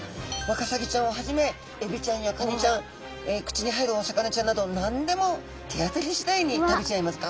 ワカサギちゃんをはじめエビちゃんやカニちゃん口に入るお魚ちゃんなど何でも手当たりしだいに食べちゃいます。